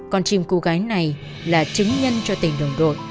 con chim cô gái này là chứng nhân cho tình đồng đội